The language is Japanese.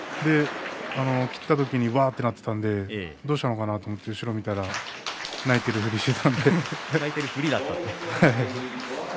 切った時に、うわあ、となっていたので、どうしたのかなと思って後ろを見たら泣いてるふりをしていたので。